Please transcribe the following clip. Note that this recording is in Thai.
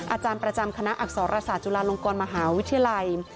อาจารย์ประจำคณะอักษรศาสตร์จุฬาลงกรมหาวิทยาลัย